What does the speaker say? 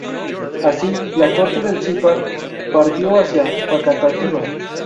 Así, la Corte del Zipa partió hacia Facatativá.